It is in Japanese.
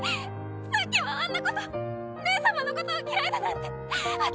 さっきはあんなこと姉様のことを嫌いだなんて私。